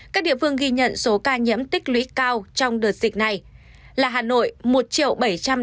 các địa phương ghi nhận số ca nhiễm tích lũy cao trong đợt dịch này là hà nội một bảy trăm tám mươi hai năm trăm một mươi sáu ca